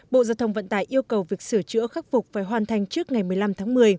bộ giao thông vận tải yêu cầu việc sửa chữa khắc phục phải hoàn thành trước ngày một mươi năm tháng một mươi